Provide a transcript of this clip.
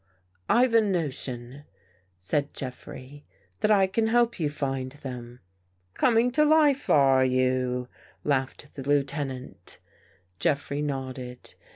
" I've a notion," said Jeffrey, " that I can help you find them." " Coming to life, are you? " laughed the Lieuten ant. Jeffrey nodded.